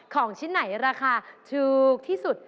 ของชิ้นไหนราคาถูกที่สุด